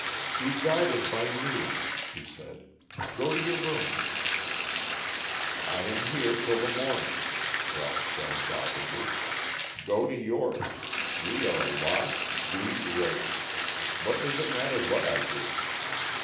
"Be guided by me," she said. "Go to your room." "I am here till the morning," Ralph said doggedly. "Go to yours. We are a lost, doomed race. What does it matter what I do?"